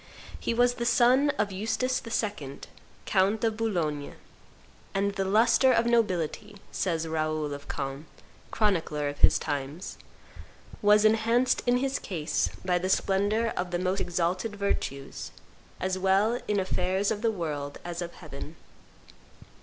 He was the son of Eustace II., count of Boulogne, and "the lustre of nobility," says Raoul of Caen, chronicler of his times, "was enhanced in his case by the splendor of the most exalted virtues, as well in affairs of the world as of heaven.